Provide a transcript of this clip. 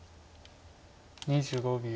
２５秒。